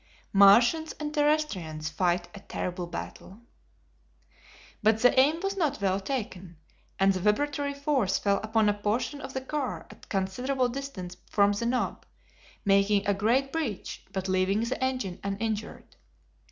Martians and Terrestrians Fight a Terrible Battle. But the aim was not well taken, and the vibratory force fell upon a portion of the car at a considerable distance from the knob, making a great breach, but leaving the engine uninjured.